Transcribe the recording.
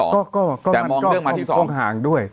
แต่มองเรื่องมาที่ช่องห่างด้วย